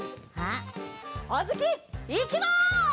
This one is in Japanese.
あづきいきます！